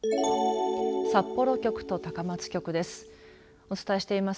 札幌局と高松局です。